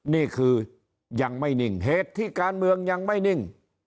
นี่คือยังไม่นิ่งเหตุที่การเมืองยังไม่นิ่ง